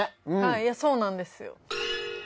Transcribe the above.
そうなんですよ。